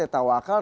ya tahu akal